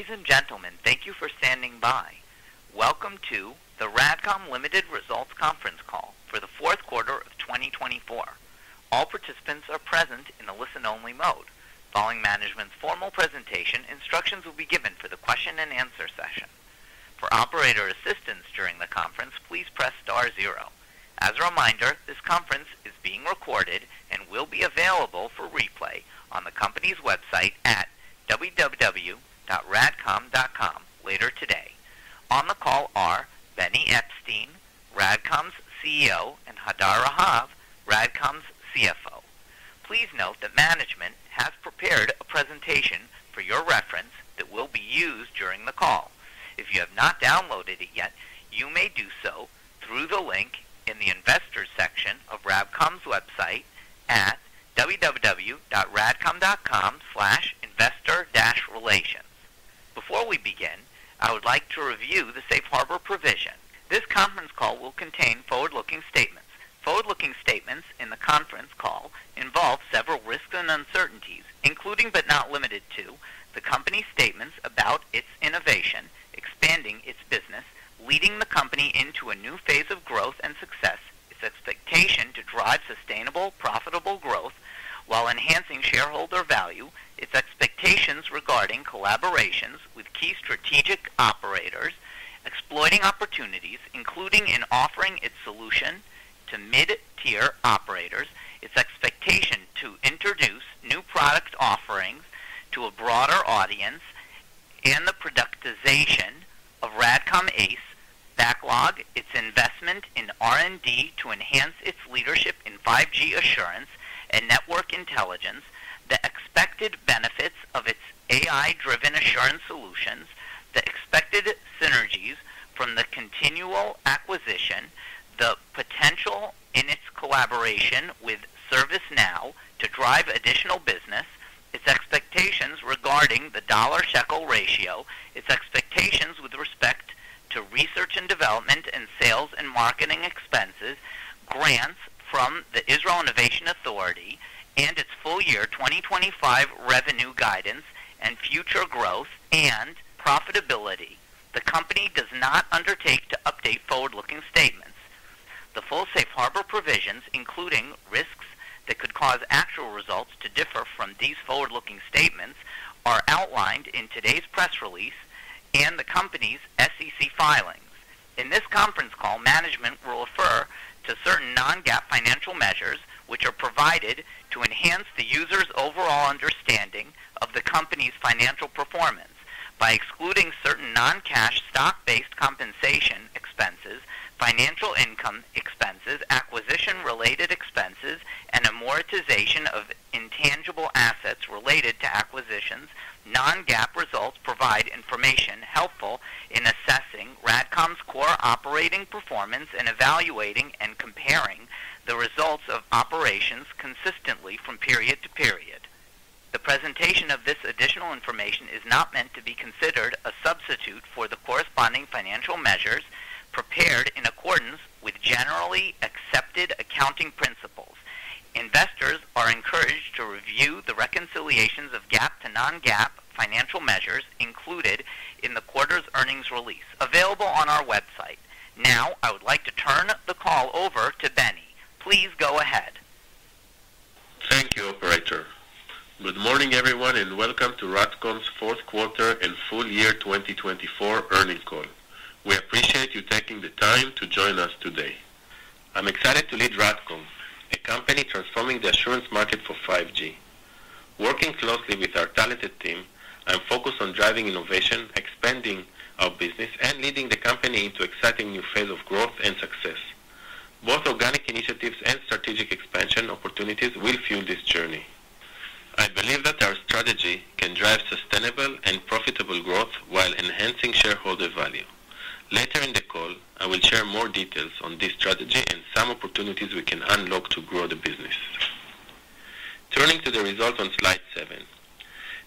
Ladies and gentlemen, thank you for standing by. Welcome to the RADCOM Limited Results Conference call for the fourth quarter of 2024. All participants are present in the listen-only mode. Following management's formal presentation, instructions will be given for the question-and-answer session. For operator assistance during the conference, please press star zero. As a reminder, this conference is being recorded and will be available for replay on the company's website at www.radcom.com later today. On the call are Benny Eppstein, RADCOM's CEO, and Hadar Rahav, RADCOM's CFO. Please note that management has prepared a presentation for your reference that will be used during the call. If you have not downloaded it yet, you may do so through the link in the investor section of RADCOM's website at www.radcom.com/investor-relations. Before we begin, I would like to review the safe harbor provision. This conference call will contain forward-looking statements. Forward-looking statements in the conference call involve several risks and uncertainties, including but not limited to the company's statements about its innovation, expanding its business, leading the company into a new phase of growth and success, its expectation to drive sustainable, profitable growth while enhancing shareholder value, its expectations regarding collaborations with key strategic operators, exploiting opportunities, including in offering its solution to mid-tier operators, its expectation to introduce new product offerings to a broader audience, and the productization of RADCOM ACE, backlog its investment in R&D to enhance its leadership in 5G assurance and network intelligence, the expected benefits of its AI-driven assurance solutions, the expected synergies from the Continuous Core Technology acquisition, the potential in its collaboration with ServiceNow to drive additional business, its expectations regarding the dollar-shekel ratio, its expectations with respect to research and development and sales and marketing expenses, grants from the Israel Innovation Authority, and its full year 2025 revenue guidance and future growth and profitability. The company does not undertake to update forward-looking statements. The full safe harbor provisions, including risks that could cause actual results to differ from these forward-looking statements, are outlined in today's press release and the company's SEC filings. In this conference call, management will refer to certain non-GAAP financial measures, which are provided to enhance the user's overall understanding of the company's financial performance by excluding certain non-cash stock-based compensation expenses, financial income expenses, acquisition-related expenses, and amortization of intangible assets related to acquisitions. Non-GAAP results provide information helpful in assessing RADCOM's core operating performance and evaluating and comparing the results of operations consistently from period to period. The presentation of this additional information is not meant to be considered a substitute for the corresponding financial measures prepared in accordance with generally accepted accounting principles. Investors are encouraged to review the reconciliations of GAAP to non-GAAP financial measures included in the quarter's earnings release available on our website. Now, I would like to turn the call over to Benny. Please go ahead. Thank you, Operator. Good morning, everyone, and welcome to RADCOM's fourth quarter and full year 2024 earnings call. We appreciate you taking the time to join us today. I'm excited to lead RADCOM, a company transforming the assurance market for 5G. Working closely with our talented team, I'm focused on driving innovation, expanding our business, and leading the company into an exciting new phase of growth and success. Both organic initiatives and strategic expansion opportunities will fuel this journey. I believe that our strategy can drive sustainable and profitable growth while enhancing shareholder value. Later in the call, I will share more details on this strategy and some opportunities we can unlock to grow the business. Turning to the result on slide seven,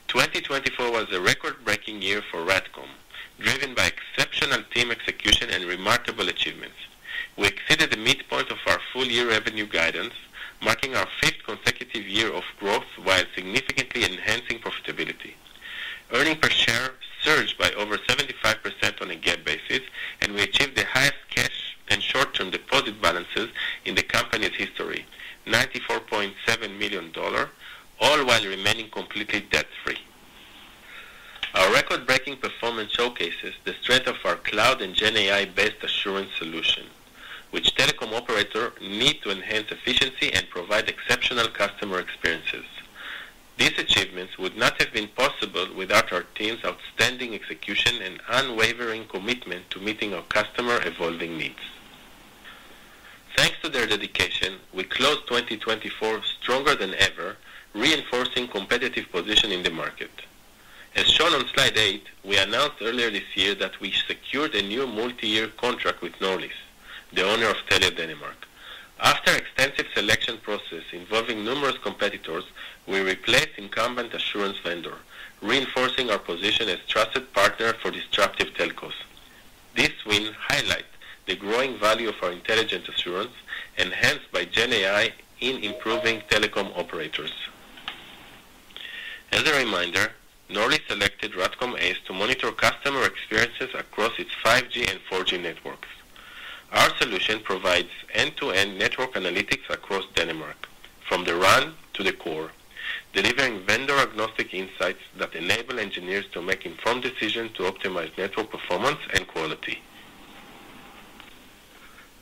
2024 was a record-breaking year for RADCOM, driven by exceptional team execution and remarkable achievements. We exceeded the midpoint of our full year revenue guidance, marking our fifth consecutive year of growth while significantly enhancing profitability. Earnings per share surged by over 75% on a GAAP basis, and we achieved the highest cash and short-term deposit balances in the company's history, $94.7 million, all while remaining completely debt-free. Our record-breaking performance showcases the strength of our cloud and GenAI-based assurance solution, which telecom operators need to enhance efficiency and provide exceptional customer experiences. These achievements would not have been possible without our team's outstanding execution and unwavering commitment to meeting our customers' evolving needs. Thanks to their dedication, we closed 2024 stronger than ever, reinforcing our competitive position in the market. As shown on slide eight, we announced earlier this year that we secured a new multi-year contract with Norlys, the owner of Telia Denmark. After an extensive selection process involving numerous competitors, we replaced the incumbent assurance vendor, reinforcing our position as a trusted partner for disruptive telcos. This win highlights the growing value of our intelligent assurance, enhanced by GenAI in improving telecom operators. As a reminder, Norlys selected RADCOM ACE to monitor customer experiences across its 5G and 4G networks. Our solution provides end-to-end network analytics across Denmark, from the RAN to the core, delivering vendor-agnostic insights that enable engineers to make informed decisions to optimize network performance and quality.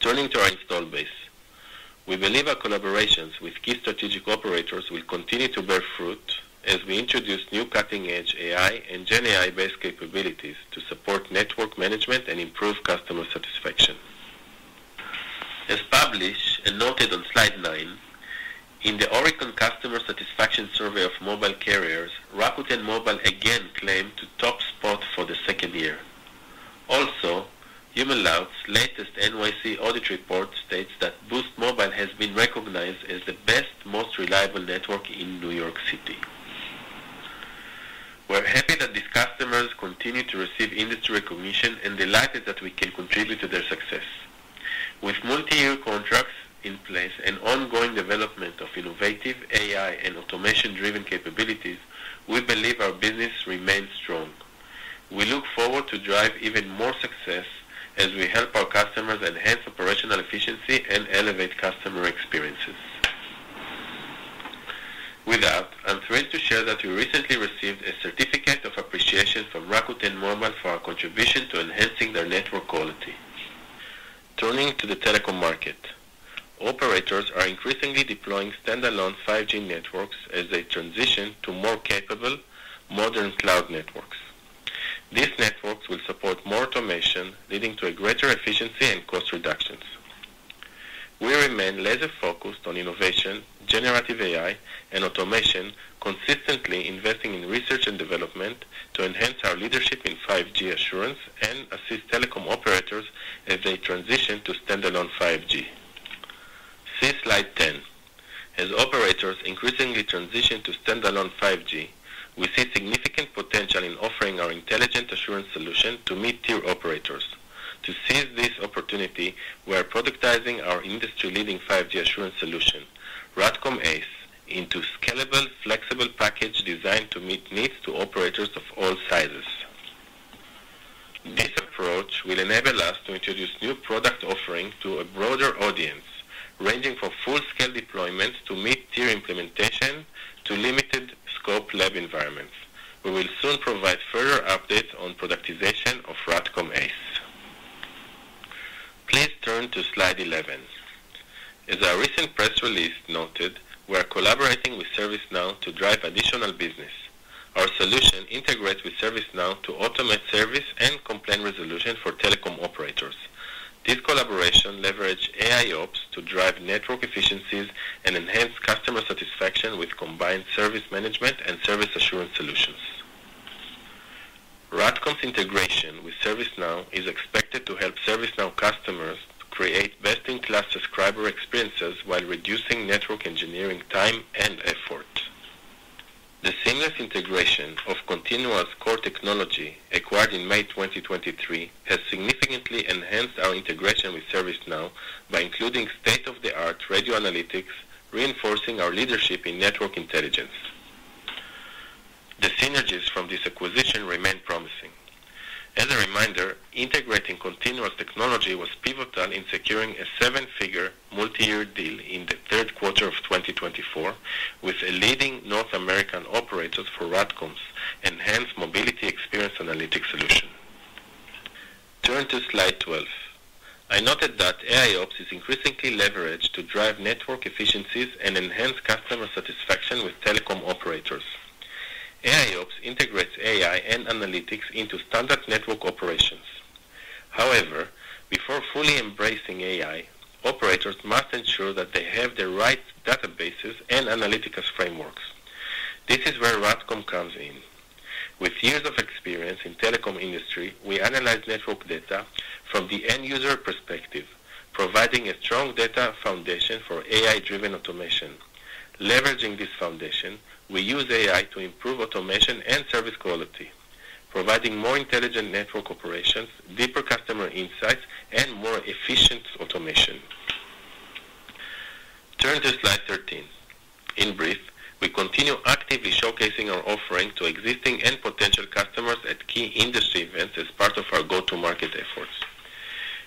Turning to our install base, we believe our collaborations with key strategic operators will continue to bear fruit as we introduce new cutting-edge AI and GenAI-based capabilities to support network management and improve customer satisfaction. As published and noted on slide nine, in the Oracle Customer Satisfaction Survey of mobile carriers, Rakuten Mobile again claimed the top spot for the second year. Also, HumanLoud's latest NYC audit report states that Boost Mobile has been recognized as the best, most reliable network in New York City. We're happy that these customers continue to receive industry recognition and delighted that we can contribute to their success. With multi-year contracts in place and ongoing development of innovative AI and automation-driven capabilities, we believe our business remains strong. We look forward to driving even more success as we help our customers enhance operational efficiency and elevate customer experiences. With that, I'm thrilled to share that we recently received a certificate of appreciation from Rakuten Mobile for our contribution to enhancing their network quality. Turning to the telecom market, operators are increasingly deploying standalone 5G networks as they transition to more capable, modern cloud networks. These networks will support more automation, leading to greater efficiency and cost reductions. We remain laser-focused on innovation, generative AI, and automation, consistently investing in research and development to enhance our leadership in 5G assurance and assist telecom operators as they transition to standalone 5G. Since slide ten, as operators increasingly transition to standalone 5G, we see significant potential in offering our intelligent assurance solution to mid-tier operators. To seize this opportunity, we are productizing our industry-leading 5G assurance solution, RADCOM ACE, into a scalable, flexible package designed to meet needs of operators of all sizes. This approach will enable us to introduce new product offerings to a broader audience, ranging from full-scale deployments to mid-tier implementation to limited-scope lab environments. We will soon provide further updates on the productization of RADCOM ACE. Please turn to slide eleven. As our recent press release noted, we are collaborating with ServiceNow to drive additional business. Our solution integrates with ServiceNow to automate service and complaint resolution for telecom operators. This collaboration leverages AIOps to drive network efficiencies and enhance customer satisfaction with combined service management and service assurance solutions. RADCOM's integration with ServiceNow is expected to help ServiceNow customers create best-in-class subscriber experiences while reducing network engineering time and effort. The seamless integration of Continuous Core Technology, acquired in May 2023, has significantly enhanced our integration with ServiceNow by including state-of-the-art radio analytics, reinforcing our leadership in network intelligence. The synergies from this acquisition remain promising. As a reminder, integrating Continuous Core Technology was pivotal in securing a seven-figure multi-year deal in the third quarter of 2024 with a leading North American operator for RADCOM's enhanced mobility experience analytics solution. Turn to slide twelve. I noted that AIOps is increasingly leveraged to drive network efficiencies and enhance customer satisfaction with telecom operators. AIOps integrates AI and analytics into standard network operations. However, before fully embracing AI, operators must ensure that they have the right databases and analytics frameworks. This is where RADCOM comes in. With years of experience in the telecom industry, we analyze network data from the end-user perspective, providing a strong data foundation for AI-driven automation. Leveraging this foundation, we use AI to improve automation and service quality, providing more intelligent network operations, deeper customer insights, and more efficient automation. Turn to slide thirteen. In brief, we continue actively showcasing our offering to existing and potential customers at key industry events as part of our go-to-market efforts.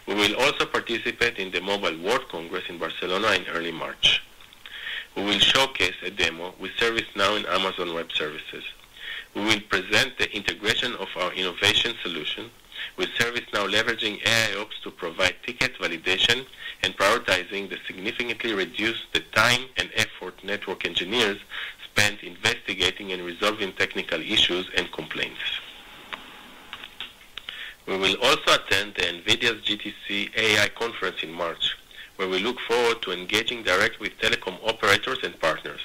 We will also participate in the Mobile World Congress in Barcelona in early March. We will showcase a demo with ServiceNow and Amazon Web Services. We will present the integration of our innovation solution with ServiceNow, leveraging AIOps to provide ticket validation and prioritizing the significantly reduced time and effort network engineers spent investigating and resolving technical issues and complaints. We will also attend the NVIDIA GTC AI Conference in March, where we look forward to engaging directly with telecom operators and partners.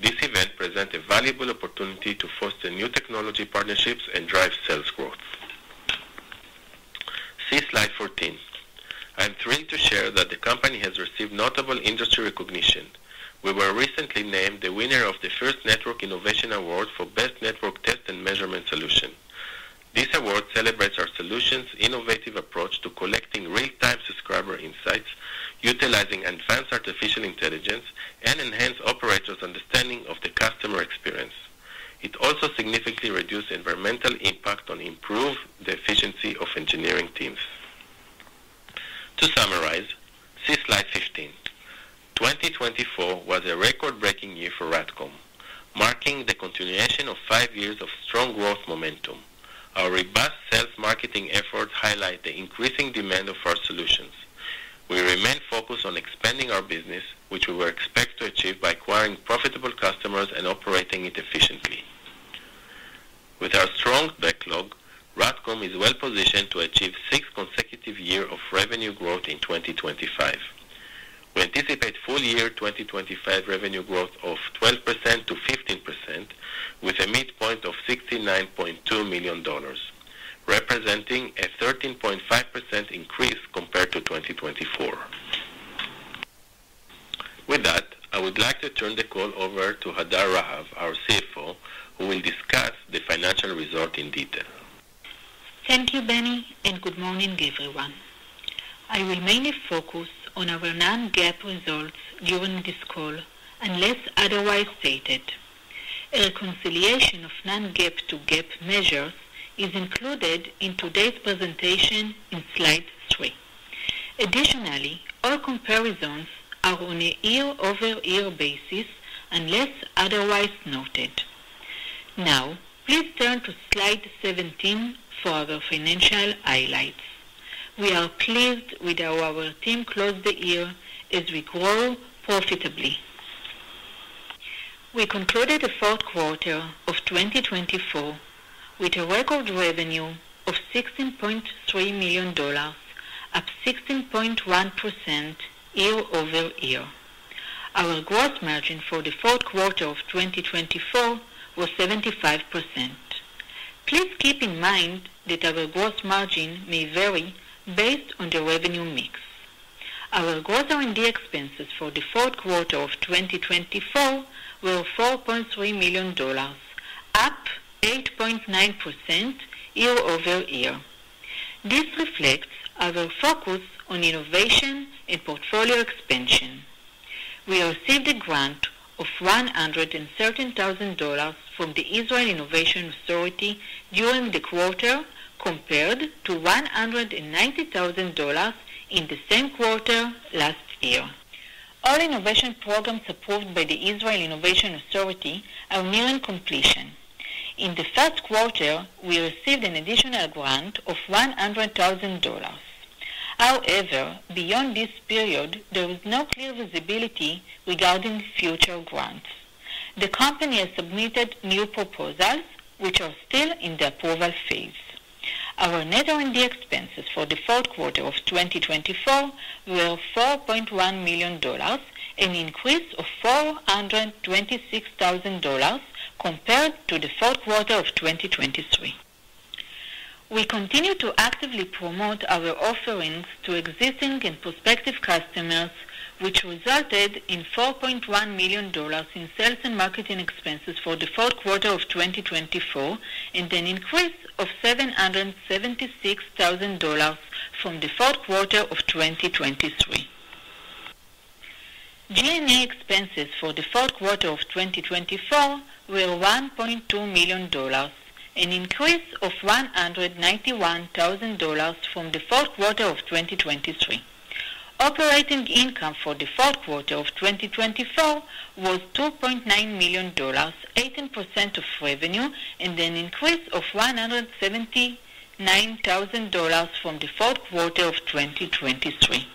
This event presents a valuable opportunity to foster new technology partnerships and drive sales growth. See slide fourteen. I'm thrilled to share that the company has received notable industry recognition. We were recently named the winner of the first Network Innovation Award for Best Network Test and Measurement Solution. This award celebrates our solution's unless otherwise stated. A reconciliation of non-GAAP to GAAP measures is included in today's presentation in slide three. Additionally, all comparisons are on a year-over-year basis, unless otherwise noted. Now, please turn to slide seventeen for the financial highlights. We are pleased with how our team closed the year as we grow profitably. We concluded the fourth quarter of 2024 with a record revenue of $16.3 million, up 16.1% year-over-year. Our gross margin for the fourth quarter of 2024 was 75%. Please keep in mind that our gross margin may vary based on the revenue mix. Our gross R&D expenses for the fourth quarter of 2024 were $4.3 million, up 8.9% year-over-year. This reflects our focus on innovation and portfolio expansion. We received a grant of $113,000 from the Israel Innovation Authority during the quarter, compared to $190,000 in the same quarter last year. All innovation programs approved by the Israel Innovation Authority are nearing completion. In the first quarter, we received an additional grant of $100,000. However, beyond this period, there was no clear visibility regarding future grants. The company has submitted new proposals, which are still in the approval phase. Our net R&D expenses for the fourth quarter of 2024 were $4.1 million, an increase of $426,000 compared to the fourth quarter of 2023. We continue to actively promote our offerings to existing and prospective customers, which resulted in $4.1 million in sales and marketing expenses for the fourth quarter of 2024 and an increase of $776,000 from the fourth quarter of 2023. G&A expenses for the fourth quarter of 2024 were $1.2 million, an increase of $191,000 from the fourth quarter of 2023. Operating income for the fourth quarter of 2024 was $2.9 million, 18% of revenue, and an increase of $179,000 from the fourth quarter of 2023.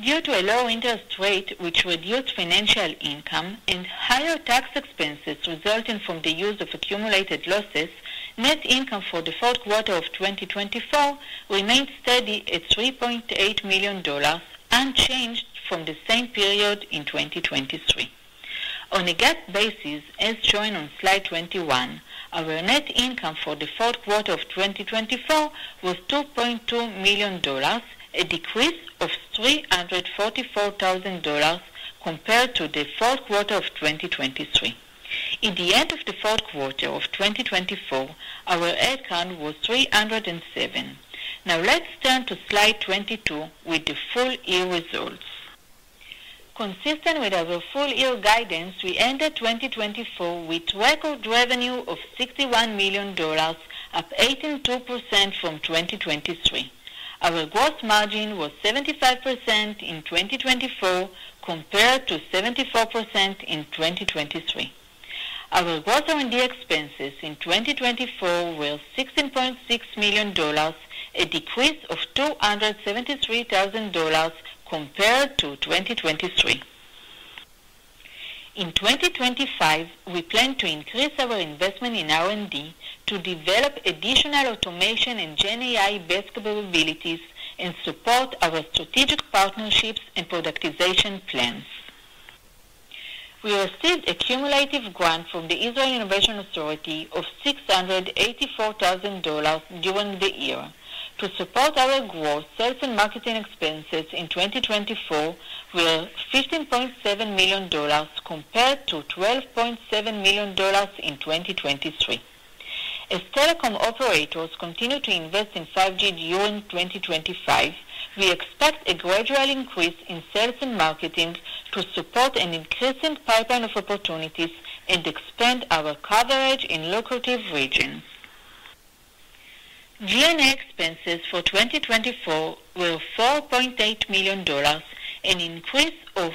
Due to a low interest rate, which reduced financial income and higher tax expenses resulting from the use of accumulated losses, net income for the fourth quarter of 2024 remained steady at $3.8 million, unchanged from the same period in 2023. On a GAAP basis, as shown on slide twenty-one, our net income for the fourth quarter of 2024 was $2.2 million, a decrease of $344,000 compared to the fourth quarter of 2023. In the end of the fourth quarter of 2024, our headcount was 307. Now, let's turn to slide twenty-two with the full-year results. Consistent with our full-year guidance, we ended 2024 with record revenue of $61 million, up 82% from 2023. Our gross margin was 75% in 2024 compared to 74% in 2023. Our gross R&D expenses in 2024 were $16.6 million, a decrease of $273,000 compared to 2023. In 2025, we plan to increase our investment in R&D to develop additional automation and GenAI best capabilities and support our strategic partnerships and productization plans. We received a cumulative grant from the Israel Innovation Authority of $684,000 during the year. To support our growth, sales and marketing expenses in 2024 were $15.7 million compared to $12.7 million in 2023. As telecom operators continue to invest in 5G during 2025, we expect a gradual increase in sales and marketing to support an increasing pipeline of opportunities and expand our coverage in lucrative regions. G&A expenses for 2024 were $4.8 million, an increase of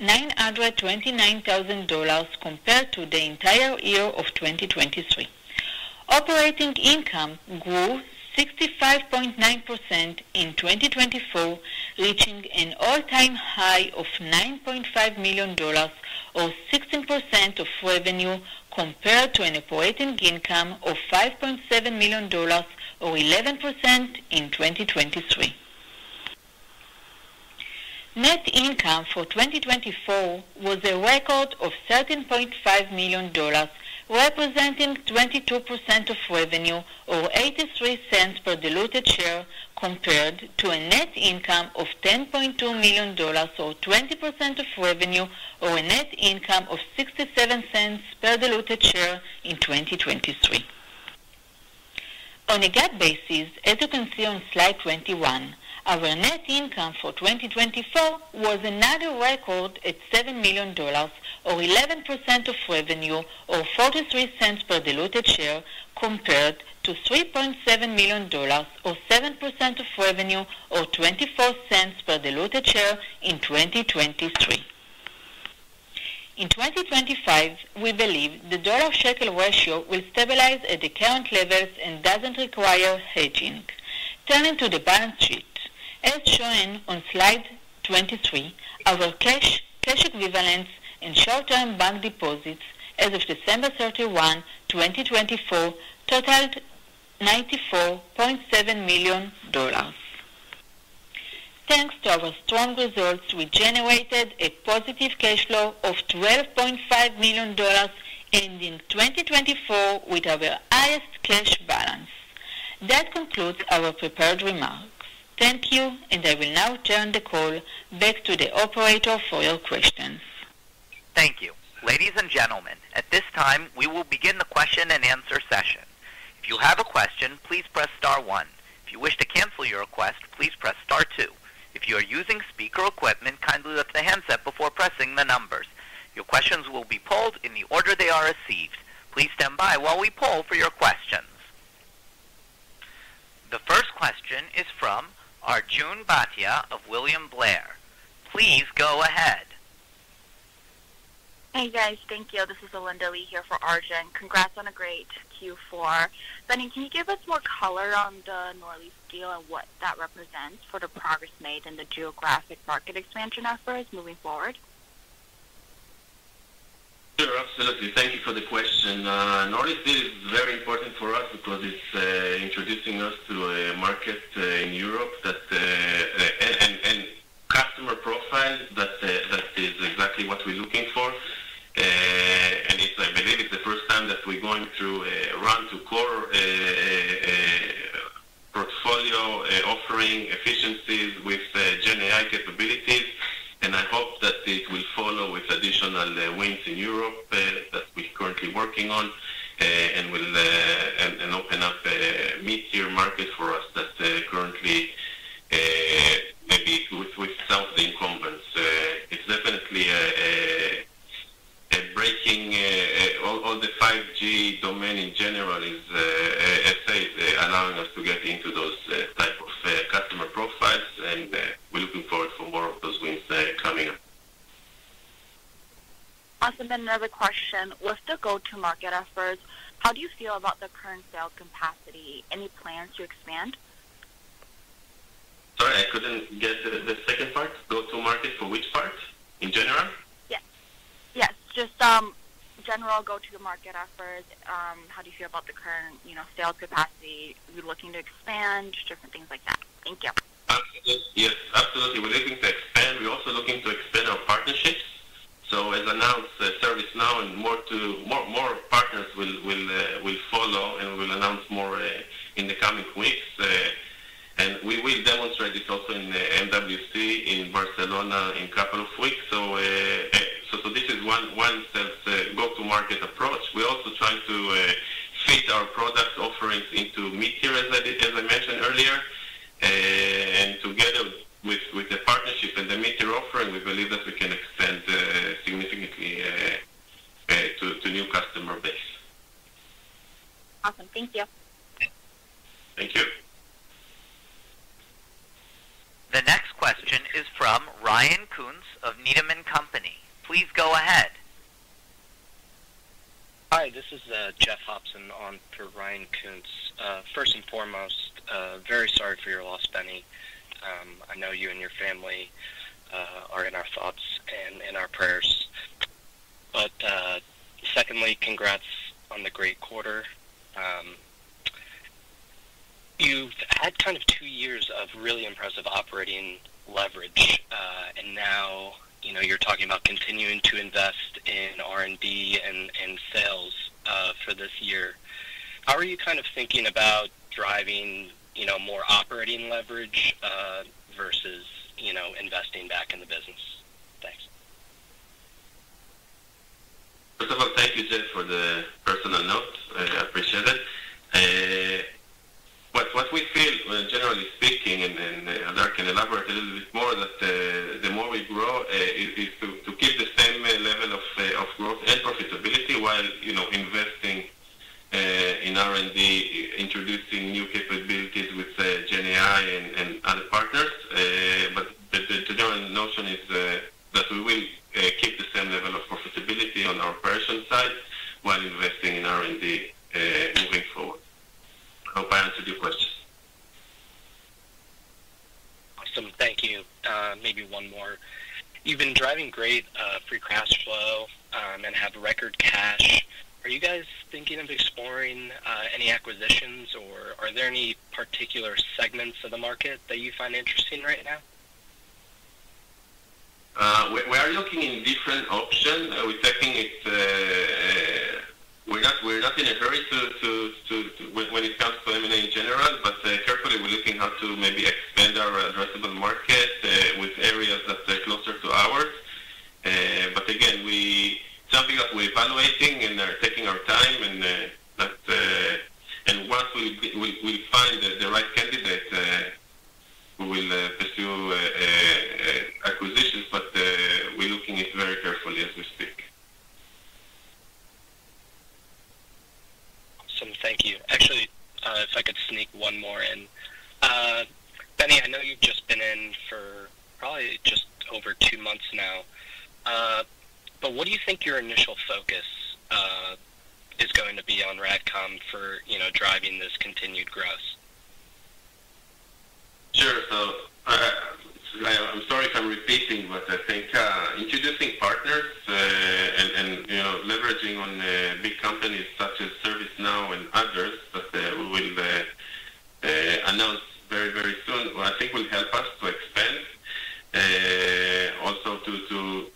$929,000 compared to the entire year of 2023. Operating income grew 65.9% in 2024, reaching an all-time high of $9.5 million, or 16% of revenue, compared to an operating income of $5.7 million, or 11% in 2023. Net income for 2024 was a record of $13.5 million, representing 22% of revenue, or $0.83 per diluted share, compared to a net income of $10.2 million, or 20% of revenue, or a net income of $0.67 per diluted share in 2023. On a GAAP basis, as you can see on slide twenty-one, our net income for 2024 was another record at $7 million, or 11% of revenue, or $0.43 per diluted share, compared to $3.7 million, or 7% of revenue, or $0.24 per diluted share in 2023. In 2025, we believe the dollar-shekel ratio will stabilize at the current levels and doesn't require hedging. Turning to the balance sheet, as shown on slide twenty-three, our cash equivalents and short-term bank deposits as of December thirty-one, 2024, totaled $94.7 million. Thanks to our strong results, we generated a positive cash flow of $12.5 million ending 2024 with our highest cash balance. That concludes our prepared remarks. Thank you, and I will now turn the call back to the operator for your questions. Thank you. Ladies and gentlemen, at this time, we will begin the question and answer session. If you have a question, please press star one. If you wish to cancel your request, please press star two. If you are using speaker equipment, kindly lift the handset before pressing the numbers. Your questions will be polled in the order they are received. Please stand by while we poll for your questions. The first question is from Arjun Bhatia of William Blair. Please go ahead. Hey, guys. Thank you. This is Alinda Li here for Arjun. Congrats on a great Q4. Benny, can you give us more color on the Norlys deal and what that represents for the progress made in the geographic market expansion efforts moving forward? Sure, absolutely. Thank you for the question. Norlys deal is very important for us because it's introducing us to a market in Europe that and customer profile that is exactly what we're looking for. I believe it's the first time that we're going through a run-to-core portfolio offering efficiencies with GenAI capabilities. I hope that it will follow with additional wins in Europe that we're currently working on and open up mid-year markets for us that currently maybe with some of the incumbents. It's definitely a breaking all the 5G domain in general is, as I said, allowing us to get into those types of customer profiles. We're looking forward to more of those wins coming up. Awesome. Another question. With the go-to-market efforts, how do you feel about the current sales capacity? Any plans to expand? Sorry, I couldn't get the second part. Go-to-market for which part in general? Yes. Yes. Just general go-to-market efforts. How do you feel about the current sales capacity? You're looking to expand, different things like that. Thank you. Absolutely. Yes, absolutely. We're looking to expand. We're also looking to expand our partnerships. As announced, ServiceNow and more partners will follow and will announce more in the coming weeks. We will demonstrate this also in MWC in Barcelona in a couple of weeks. This is one go-to-market approach. We're also trying to fit our product offerings into mid-year, as I mentioned earlier. Together with the partnership and the mid-year offering, we believe that we can expand significantly to a new customer base. Awesome. Thank you. Thank you. The next question is from Ryan Koontz of Needham & Company. Please go ahead. Hi, this is Jeff Hopson on for Ryan Koontz. First and foremost, very sorry for your loss, Benny. I know you and your family are in our thoughts and in our prayers. Secondly, congrats on the great quarter. You've had kind of two years of really impressive operating leverage, and now you're talking about continuing to invest in R&D and sales for this year. How are you kind of thinking about driving more operating leverage versus investing back in the business? Thanks. First of all, thank you, Jeff, for the personal note. I appreciate it. What we feel, generally speaking, and I can elaborate a little bit more, is that the more we grow is to keep the same level of growth and profitability while investing in R&D, introducing new capabilities with GenAI and other partners. The general notion is that we will keep the same level of profitability on our operation side while investing in R&D moving forward. I hope I answered your question. Awesome. Thank you. Maybe one more. You've been driving great free cash flow and have record cash. Are you guys thinking of exploring any acquisitions, or are there any particular segments of the market that you find interesting right now? We are looking in different options. We're taking it. We're not in a hurry when it comes to M&A in general, but carefully, we're looking how to maybe expand our addressable market with areas that are closer to ours. Again, something that we're evaluating and are taking our time. Once we find the right candidate, we will pursue acquisitions. We're looking at it very carefully as we speak. Awesome. Thank you. Actually, if I could sneak one more in. Benny, I know you've just been in for probably just over two months now. What do you think your initial focus is going to be on RADCOM for driving this continued growth? Sure. I'm sorry if I'm repeating, but I think introducing partners and leveraging on big companies such as ServiceNow and others that we will announce very, very soon, I think will help us to expand. Also, to go